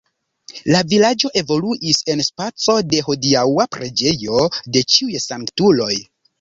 La vilaĝo evoluis en spaco de hodiaŭa preĝejo de Ĉiuj sanktuloj.